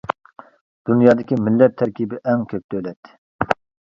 دۇنيادىكى مىللەت تەركىبى ئەڭ كۆپ دۆلەت.